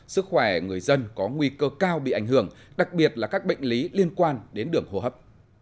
sức khỏe người dân có nguy cơ cao bị ảnh hưởng đặc biệt là các bệnh lý liên quan đến đường hô hấp